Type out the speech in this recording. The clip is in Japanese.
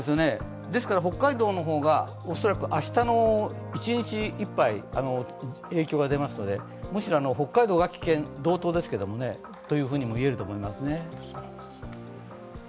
北海道の方が、恐らく明日一日いっぱい影響が出ますので、むしろ北海道が危険、道東ですけどそういうふうにも言えると思います。